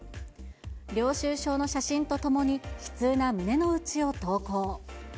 領収書の写真とともに、悲痛な胸の内を投稿。